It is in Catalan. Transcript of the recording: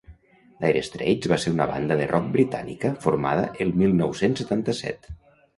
Dire Straits va ser una banda de rock britànica formada el mil nou-cents setanta-set